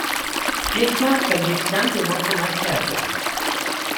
یک مرد و یک زن به ما کمک کردند.